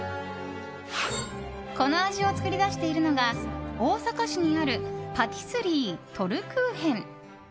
この味を作り出しているのが大阪市にあるパティスリートルクーヘン。